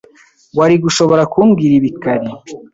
Wari gushobora kumbwira ibi kare.